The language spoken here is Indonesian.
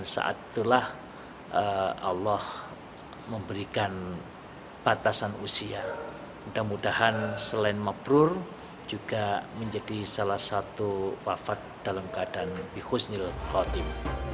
selain mabrur juga menjadi salah satu wafat dalam keadaan bikhus nilkotim